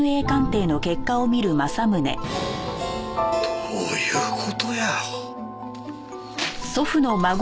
どういう事や。